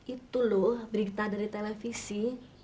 itu loh berita dari televisi